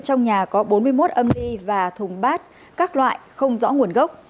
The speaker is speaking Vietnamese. trong nhà có bốn mươi một âm đi và thùng bát các loại không rõ nguồn gốc